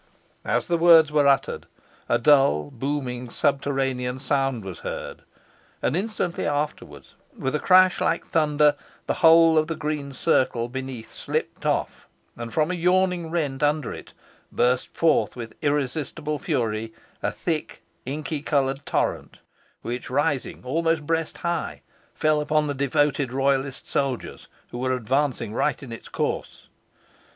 As the words were uttered, a dull, booming, subterranean sound was heard, and instantly afterwards, with a crash like thunder, the whole of the green circle beneath slipped off, and from a yawning rent under it burst forth with irresistible fury, a thick inky coloured torrent, which, rising almost breast high, fell upon the devoted royalist soldiers, who were advancing right in its course.